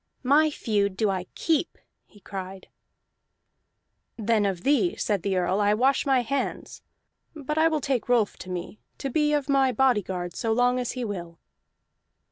"My feud do I keep!" he cried. "Then of thee," said the Earl, "I wash my hands. But I will take Rolf to me, to be of my bodyguard so long as he will."